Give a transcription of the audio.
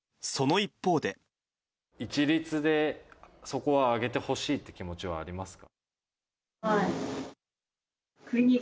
一律で、そこは上げてほしいっていう気持ちはありますか。